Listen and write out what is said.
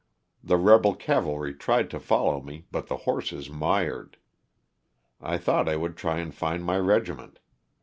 The rebel cavalry tried to follow me but the horses mired. I thought I would try and find my regiment.